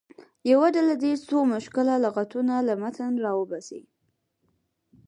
یوه ډله دې څو مشکل لغتونه له متن راوباسي.